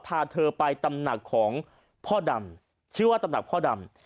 พาเธอไปตำหนักของพ่อดำชื่อว่าตำหนักพ่อดำ